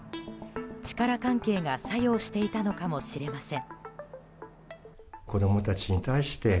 力関係が作用していたのかもしれません。